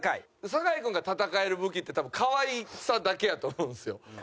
酒井君が戦える武器って多分かわいさだけやと思うんすよ。